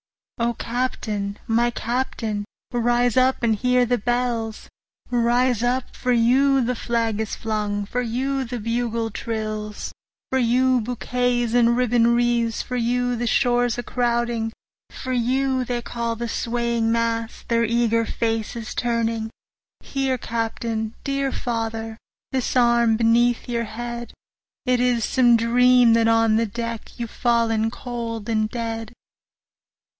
O Captain! my Captain! rise up and hear the bells; Rise up—for you the flag is flung—for you the bugle trills, 10 For you bouquets and ribbon'd wreaths—for you the shores crowding, For you they call, the swaying mass, their eager faces turning; Here, Captain! dear father! This arm beneath your head! It is some dream that on the deck 15 You've fallen cold and dead.